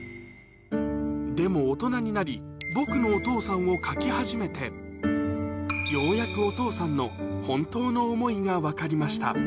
でも大人になり、ぼくのお父さんを描き始めて、ようやくお父さんの本当の思いが分かりました。